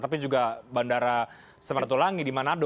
tapi juga bandara semarang tulangi di manado